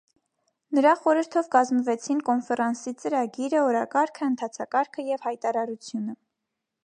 Նրա խորհրդով կազմվեցին կոնֆերանսի ծրագիրը, օրակարգը, ընթացակարգը և հայտարարությունը։